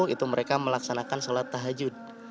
itu mereka melaksanakan sholat tahajud